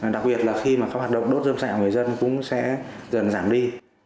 đặc biệt là khi có hoạt động đốt dơm xạng người dân cũng sẽ dần dàng đi